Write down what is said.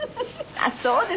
あっそうですか。